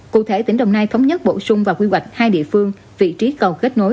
cụ thể tỉnh đồng nai thống nhất bổ sung và quy hoạch hai địa phương vị trí cầu kết nối